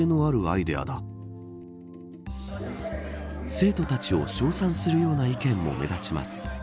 生徒たちを称賛するような意見も目立ちます。